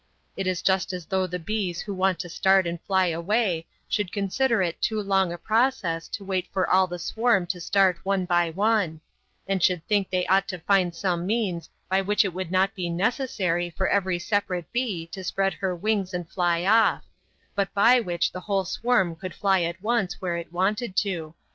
It is just as though the bees who want to start and fly away should consider it too long a process to wait for all the swarm to start one by one; and should think they ought to find some means by which it would not be necessary for every separate bee to spread her wings and fly off, but by which the whole swarm could fly at once where it wanted to.